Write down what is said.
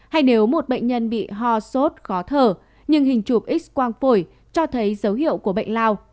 hay nếu một bệnh nhân bị ho sốt khó thở nhưng hình chụp x quang phổi cho thấy dấu hiệu của bệnh lao